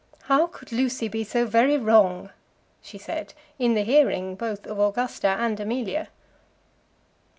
"How could Lucy be so very wrong?" she said, in the hearing both of Augusta and Amelia.